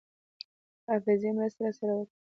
حافظې مرسته راسره وکړه.